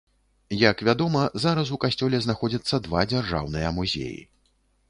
Як вядома, зараз у касцёле знаходзяцца два дзяржаўныя музеі.